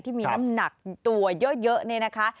ที่มีน้ำหนักตัวเยอะนี่นะคะ